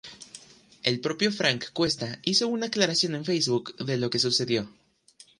El propio Frank Cuesta hizo una aclaración en Facebook de lo sucedido.